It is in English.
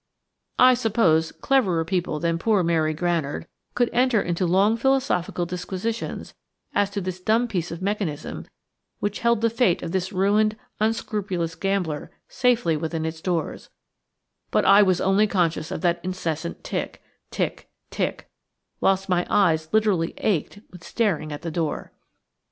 I suppose cleverer people than poor Mary Granard could enter into long philosophical disquisitions as to this dumb piece of mechanism which held the fate of this ruined, unscrupulous gambler safely within its doors; but I was only conscious of that incessant tick, tick, tick, whilst my eyes literally ached with staring at the door.